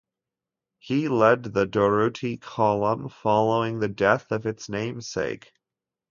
He led the Durruti Column following the death of its namesake.